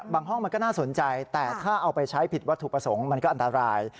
ห้องมันก็น่าสนใจแต่ถ้าเอาไปใช้ผิดวัตถุประสงค์มันก็อันตราย